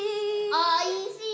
おいしー。